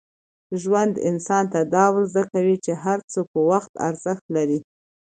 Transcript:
ژوند انسان ته دا ور زده کوي چي هر څه په وخت ارزښت لري.